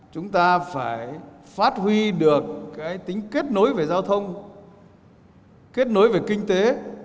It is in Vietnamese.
chúng ta phải phát huy được tính kết nối về giao thông kết nối về kinh tế